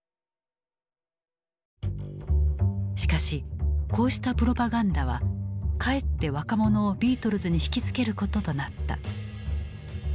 しかしこうしたプロパガンダはかえって若者をビートルズに惹きつけることとなった。